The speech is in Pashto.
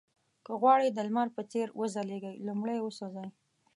که غواړئ د لمر په څېر وځلېږئ لومړی وسوځئ.